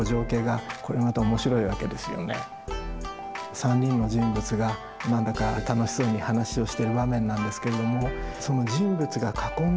３人の人物が何だか楽しそうに話をしている場面なんですけれどもその人物が囲んでいる料理